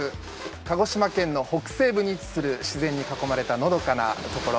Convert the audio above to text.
鹿児島県の北西部に位置する自然に囲まれたのどかなところ。